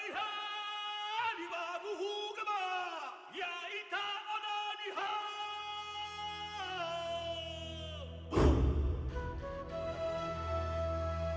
yang terpilih sekolah dan muslim